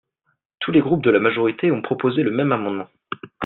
Tous les groupes de la majorité ont proposé le même amendement.